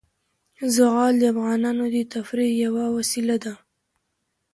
زغال د افغانانو د تفریح یوه وسیله ده.